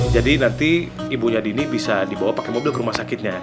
jadi nanti ibunya dini bisa dibawa pakai mobil ke rumah sakitnya